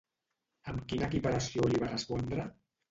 Amb quina equiparació li va respondre?